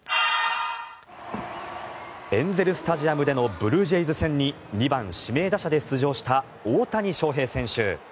エンゼル・スタジアムでのブルージェイズ戦に２番指名打者で出場した大谷翔平選手。